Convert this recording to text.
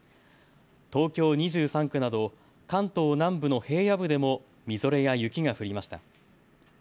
東京２３区など関東南部の平野部でもみぞれや雪が降りました。